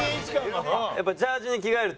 やっぱジャージーに着替えると。